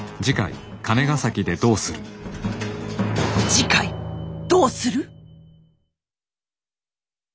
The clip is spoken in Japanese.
次回どうする？